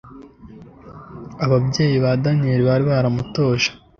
Ababyeyi ba Daniyeli bari baramutoje